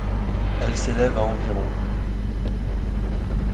Elle s’élève a environ.